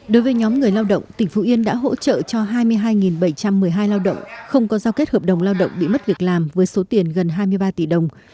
đối với nhóm người lao động tỉnh phú yên đã hỗ trợ cho hai mươi hai bảy trăm một mươi hai lao động không có giao kết hợp đồng lao động bị mất việc làm với số tiền gần hai mươi ba tỷ đồng